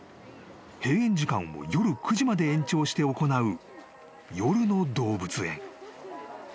［閉園時間を夜９時まで延長して行う］